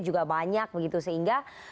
juga banyak begitu sehingga